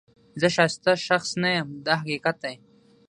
زه ښایسته شخص نه یم دا حقیقت دی.